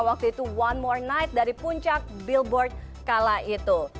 waktu itu one more night dari puncak billboard kala itu